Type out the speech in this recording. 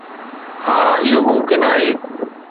ها اهو ممڪن آهي.